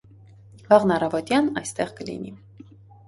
Վաղն առավոտյան այստեղ կլինի: